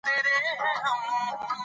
مور د ماشومانو په احساساتو پوهیږي.